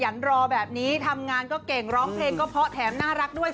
รอแบบนี้ทำงานก็เก่งร้องเพลงก็เพราะแถมน่ารักด้วย